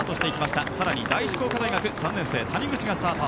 更に第一工科大学３年生谷口がスタート。